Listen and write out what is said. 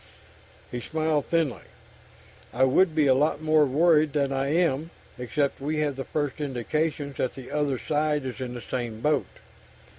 He smiled thinly. "I would be a lot more worried than I am except we have the first indications that the other side is in the same boat.